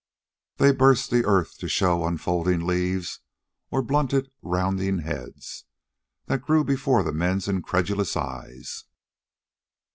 They burst the earth to show unfolding leaves or blunted, rounding heads, that grew before the men's incredulous eyes.